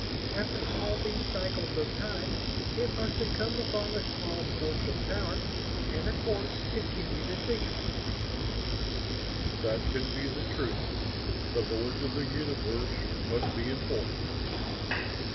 After all these cycles of time it must have come upon a small source of power and of course continued its mission." "That can be the truth. The Lords of the Universe must be informed."